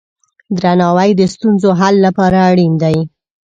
درناوی د ستونزو حل لپاره اړین دی.